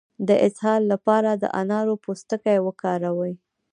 د اسهال لپاره د انارو پوستکی وکاروئ